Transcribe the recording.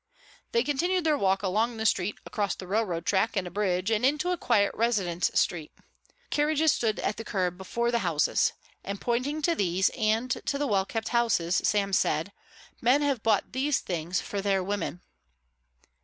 They continued their walk along the street, across the railroad track and a bridge, and into a quiet residence street. Carriages stood at the curb before the houses, and pointing to these and to the well kept houses Sam said, "Men have bought these things for their women."